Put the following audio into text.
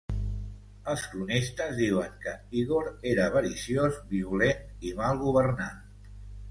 Els cronistes diuen que Ígor era avariciós, violent i mal governant.